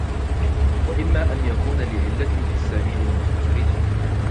وَإِمَّا أَنْ يَكُونَ لِعِلَّةٍ فِي السَّامِعِ الْمُسْتَخْرِجِ